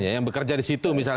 yang bekerja di situ misalnya